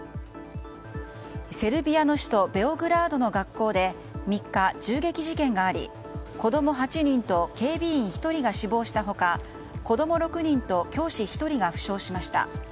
セルビアの首都ベオグラードの学校で３日、銃撃事件があり子供８人と警備員１人が死亡した他子供６人と教師１人が負傷しました。